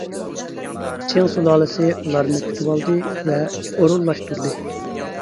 چىڭ سۇلالىسى ئۇلارنى كۈتۈۋالدى ۋە ئورۇنلاشتۇردى.